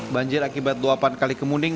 banjir akibat dua pan kali kemuning